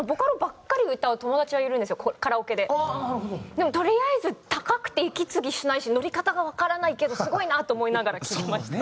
でもとりあえず高くて息継ぎしないし乗り方がわからないけどすごいなと思いながら聴いてました。